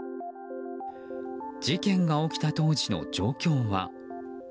事件が起きた当時の状況は。